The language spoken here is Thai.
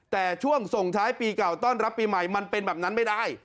แต่ช่วงส่งท้ายปีเก่าต้อนรับปีใหม่มันเป็นแบบนั้นไม่ได้